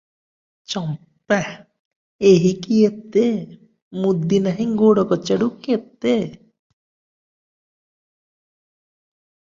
ଚମ୍ପା - 'ଏହିକି ଏତେ ନା - ମୁଦି ନାହିଁ ଗୋଡ଼ କଚାଡୁ କେତେ?